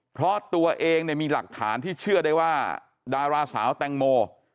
เพราะตัวเองมีหลักฐานที่เชื่อได้ว่าดาราสาวแตงโม